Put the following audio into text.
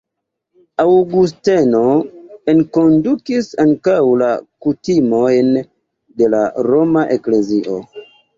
Aŭgusteno enkondukis ankaŭ la kutimojn de la roma eklezio.